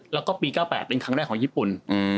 แล้วก็ปี๙๘เป็นครั้งแรกของญี่ปุ่น